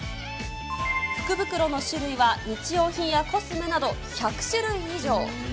福袋の種類は日用品やコスメなど、１００種類以上。